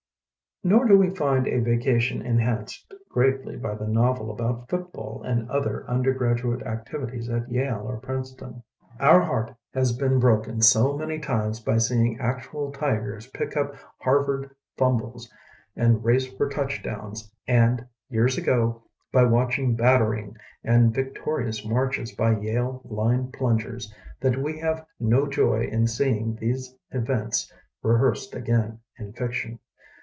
Nor do we find a vacation enhanced greatly by the novel about football and other undergraduate activities at Yale or Princeton. Our heart has been broken so many times by seeing actual tigers pick up Harvard fumbles and race for touchdowns and, years ago, by watching battering and victorious marches by Yale line plungers, that we have no joy in seeing these events rehearsed again in fiction.